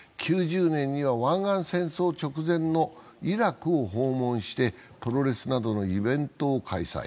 ９０年には湾岸戦争直前のイラクを訪問してプロレスなどのイベントを開催。